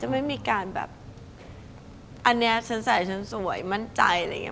จะไม่มีการแบบอันวันนี้ฉันสดมันใจแล้ว